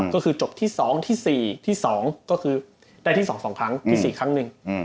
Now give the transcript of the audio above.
ก็คือจบที่๒ที่๔ที่๒ก็คือได้ที่๒๒ครั้งที่๔ครั้งหนึ่ง